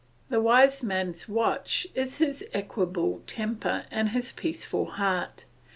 The wise man's watch is his equable temper and his peaceful heart.